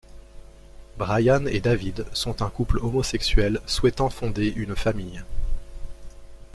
Bryan et David sont un couple homosexuel souhaitant fonder une famille.